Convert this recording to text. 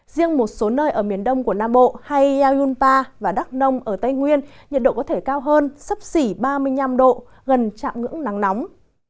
riêng một số nơi ở miền đông của nam bộ hay yunpa và đắk nông ở tây nguyên nhiệt độ có thể cao hơn sắp xỉ ba mươi năm độ gần chạm ngưỡng nắng nóng